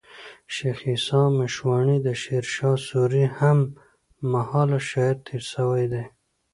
شېخ عیسي مشواڼى د شېرشاه سوري هم مهاله شاعر تېر سوی دئ.